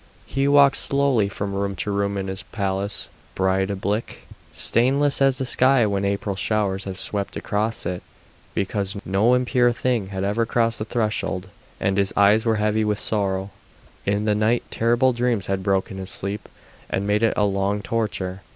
He walked slowly from room to room in his palace Breidablik, stainless as the sky when April showers have swept across it because no impure thing had ever crossed the threshold, and his eyes were heavy with sorrow. In the night terrible dreams had broken his sleep, and made it a long torture.